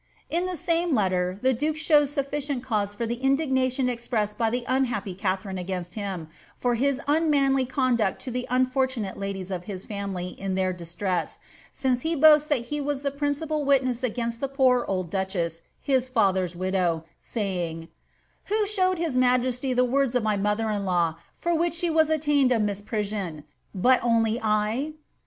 In the same letter, llir iluVe shows sufficient cause for the indignation expressed by the un happy Katharine against him, for liis unmanly conduct to the uiiforLu Hie ladies of his family in iheir distress, since he boasts lliat he was ibe principal witness against the poor old duchess, his father's widow, aytng, ■* Who showed his majesty the words of my roother in Uw, for which she was attainted of misprision, but only 1